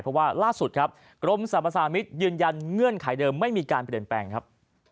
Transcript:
เพราะว่าล่าสุดครับกรมสรรพสามิตรยืนยันเงื่อนไขเดิมไม่มีการเปลี่ยนแปลงครับ